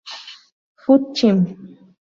Food Chem.